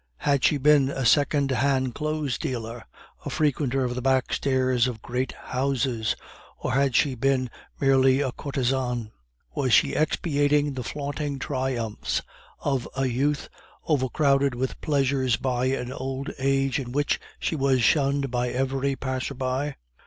Had she been a second hand clothes dealer, a frequenter of the backstairs of great houses, or had she been merely a courtesan? Was she expiating the flaunting triumphs of a youth overcrowded with pleasures by an old age in which she was shunned by every passer by?